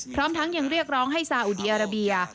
พร้อมทั้งยังเรียกร้องให้ซาอุดีอาราเบีย